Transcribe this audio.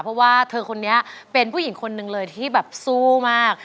เพราะว่าเธอคนนี้เป็นผู้หญิงคนหนึ่งเลยที่แบบสู้มาก